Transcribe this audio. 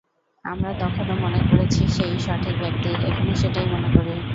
আমরা তখনো মনে করেছি সে-ই সঠিক ব্যক্তি, এখনো সেটাই মনে করি।